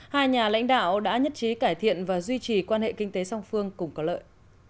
hai nhà lãnh đạo đã nhất trí cải thiện và duy trì quan hệ kinh tế song phương cùng có lợi